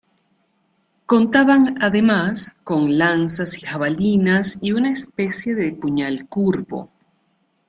Contaban además con lanzas y jabalinas y una especie de puñal curvo.